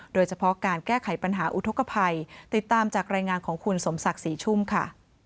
โดยเฉพาะการแก้ไขปัญหาอุทธกภัยติดตามจากรายงานของคุณสมศักดิ์ศรีชุ่มค่ะ